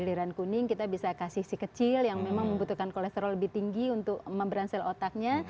aliran kuning kita bisa kasih si kecil yang memang membutuhkan kolesterol lebih tinggi untuk memberansel otaknya